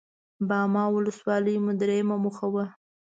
باما ولسوالي مو درېيمه موخه وه.